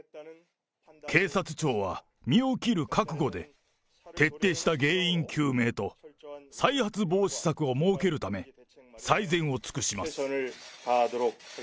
警察庁は身を切る覚悟で、徹底した原因究明と再発防止策を設けるため、最善を尽くします。